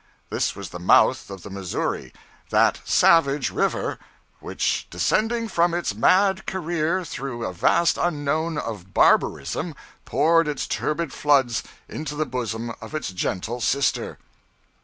This was the mouth of the Missouri, 'that savage river,' which 'descending from its mad career through a vast unknown of barbarism, poured its turbid floods into the bosom of its gentle sister.'